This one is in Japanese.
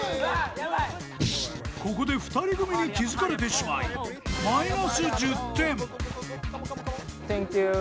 ［ここで２人組に気付かれてしまいマイナス１０点］